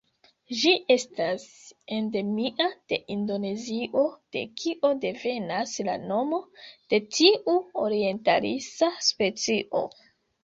Ĝi estas endemia de Indonezio de kio devenas la nomo de tiu orientalisa specio.